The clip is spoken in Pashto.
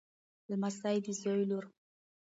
لمسۍ د زوی لور.